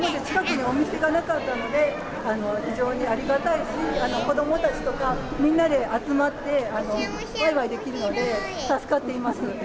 今まで近くにお店がなかったので、非常にありがたいし、子どもたちとかみんなで集まってわいわいできるので、助かっています。